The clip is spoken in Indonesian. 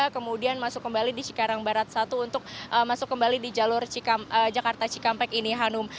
kemudian masuk kembali di cikarang barat satu untuk masuk kembali di jalur jakarta cikampek ini hanum